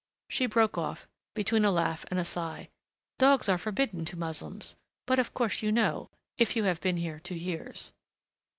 She broke off, between a laugh and a sigh, "Dogs are forbidden to Moslems but of course you know, if you have been here two years....